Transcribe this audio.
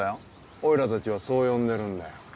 おいら達はそう呼んでるんだよ